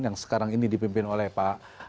yang sekarang ini dipimpin oleh pak